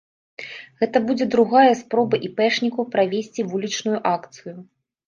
Гэта будзе другая спроба іпэшнікаў правесці вулічную акцыю.